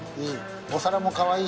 いい。